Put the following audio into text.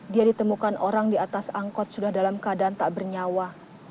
dia ditemukan orang di atas angkot sudah dalam keadaan tak bernyawa